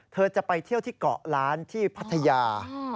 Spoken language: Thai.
จะไปเที่ยวที่เกาะล้านที่พัทยา